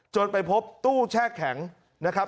ไปพบตู้แช่แข็งนะครับ